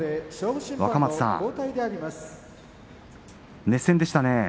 若松さん、熱戦でしたね。